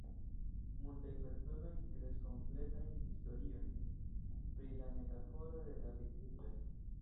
Multaj personoj kreis kompletajn historiojn pri la metaforo de David Hilbert.